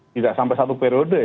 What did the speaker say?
tidak sampai satu periode